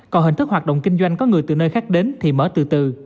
còn hình thức hoạt động kinh doanh có người từ nơi khác đến thì mở từ từ